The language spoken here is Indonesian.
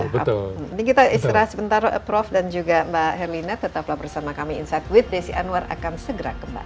jadi kita istirahat sebentar prof dan juga mbak herlina tetaplah bersama kami insight with desi anwar akan segera kembali